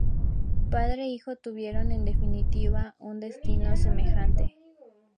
Padre e hijo tuvieron, en definitiva, un destino semejante.